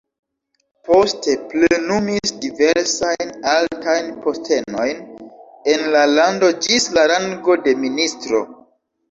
Poste plenumis diversajn altajn postenojn en la lando ĝis la rango de ministro.